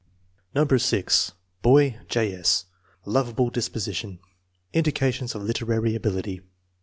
No. 6. Boy: J. 8. l Lovable disposition. Indica tions of literary ability.